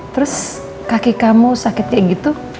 terus kaki kamu sakit kayak gitu